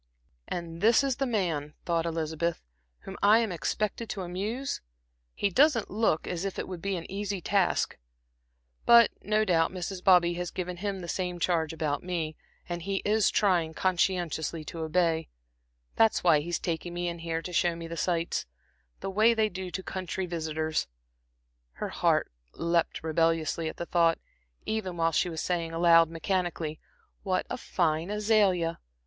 "And this is the man," thought Elizabeth, "whom I am expected to amuse. He doesn't look as if it would be an easy task. But no doubt Mrs. Bobby has given him the same charge about me, and he is trying, conscientiously, to obey. That's why he's taken me in here to show me the sights, the way they do to the country visitors." Her heart leaped rebelliously at the thought, even while she was saying aloud mechanically: "'What a fine azalea!'